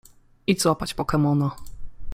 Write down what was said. Idź złapać pokemona.